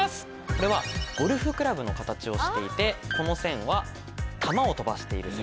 これはゴルフクラブの形をしていてこの線は球を飛ばしている線。